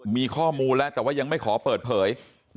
มีข้อมูลแล้วแต่ว่ายังไม่ขอเปิดเผย